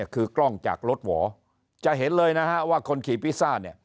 คือกล้องจากรถหวอจะเห็นเลยนะฮะว่าคนขี่พิซซ่าเนี่ย